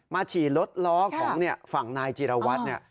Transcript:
ฉี่รถล้อของฝั่งนายจิรวัตร